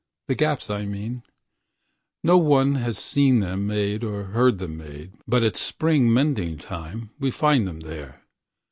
The gaps I mean, No one has seen them made or heard them made, But at spring mending time we find them there.